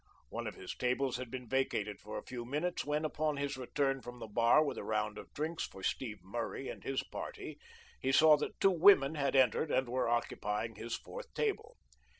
One of his tables had been vacated for a few minutes when, upon his return from the bar with a round of drinks for Steve Murray and his party he saw that two women had entered and were occupying his fourth table.